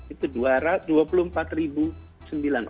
itu dua puluh empat sembilan ratus